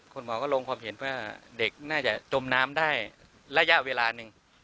คุณหมอก็ลงความเห็นว่าเด็กน่าจะจมน้ำได้ระยะเวลาหนึ่ง